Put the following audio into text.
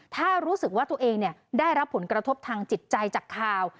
ถ้ารู้สึกว่าตัวเองได้รับผลกระทบทางจิตใจจากข่าว